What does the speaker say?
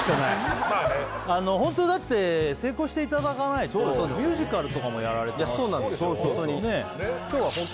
ホントだって成功していただかないとミュージカルとかもやられてそうなんですよ